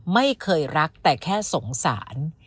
ไม่เคยรักแต่แค่สงสาร